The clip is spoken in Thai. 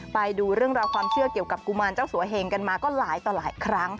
ไปดูเรื่องราวความเชื่อเกี่ยวกับกุมารเจ้าสัวเหงกันมาก็หลายต่อหลายครั้ง